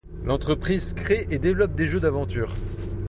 L'entreprise crée et développe des jeux d'aventures.